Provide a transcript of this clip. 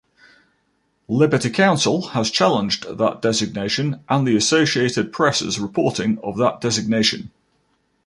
Liberty Counsel has challenged that designation and the Associated Press' reporting of that designation.